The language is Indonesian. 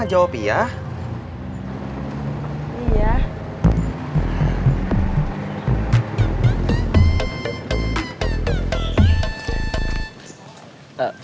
tidak mau selir selir